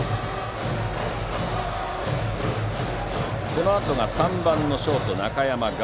このあとが３番のショート中山凱。